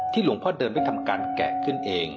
หลวงพ่อเดิมได้ทำการแกะขึ้นเอง